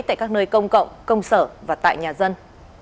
tại các nơi công cộng công sở và tại nhà dân